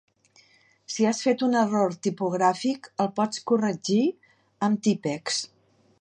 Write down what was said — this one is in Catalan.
Si has fet un error tipogràfic, el pots corregir amb Tippex.